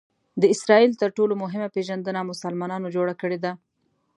د اسراییلو تر ټولو مهمه پېژندنه مسلمانانو جوړه کړې ده.